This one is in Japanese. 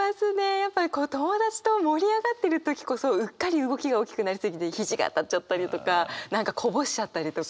やっぱり友達と盛り上がってる時こそうっかり動きが大きくなり過ぎて肘が当たっちゃったりとか何かこぼしちゃったりとか。